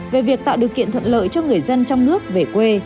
về việc tạo điều kiện thuận lợi cho người dân trong nước về quê